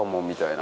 な